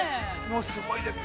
すごいですね。